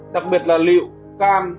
đặc biệt là liệu can